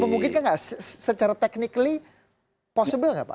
mungkin kan nggak secara teknikly possible nggak pak